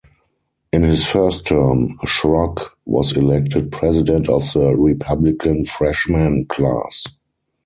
In his first term, Schrock was elected president of the Republican freshman class.